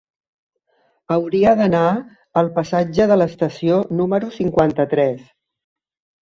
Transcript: Hauria d'anar al passatge de l'Estació número cinquanta-tres.